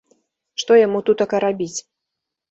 Што яму тутака рабіць?